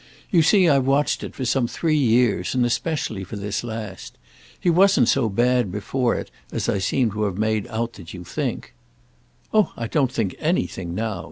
You see I've watched it for some three years, and especially for this last. He wasn't so bad before it as I seem to have made out that you think—" "Oh I don't think anything now!"